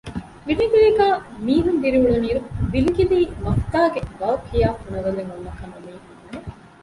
ވިލިގިލީގައި މީހުން ދިރިއުޅުނު އިރު ވިލިގިލީ މަފުތާގެ ވައު ކިޔާ ފުނަވަލެއް އޮންނަކަމަށް މީހުން ބުނެ